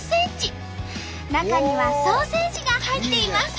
中にはソーセージが入っています。